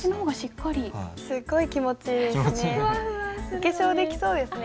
すっごい気持ちいいですね。